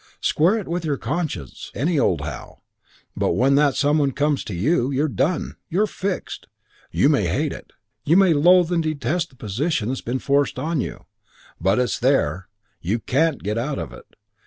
Square it with your conscience any old how. But when that some one comes to you, you're done, you're fixed. You may hate it. You may loathe and detest the position that's been forced on you. But it's there. You can't get out of it.